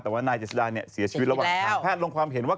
แต่ว่านายเจษดาเนี่ยเสียชีวิตระหว่างทางแพทย์ลงความเห็นว่า